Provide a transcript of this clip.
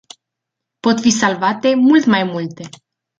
Pot fi salvate mult mai multe.